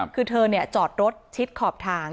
คือเธอจอดรถชิดขอบทาง